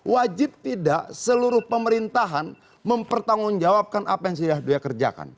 wajib tidak seluruh pemerintahan mempertanggungjawabkan apa yang sudah dia kerjakan